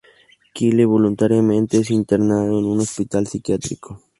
Kyle voluntariamente es internado en un hospital psiquiátrico.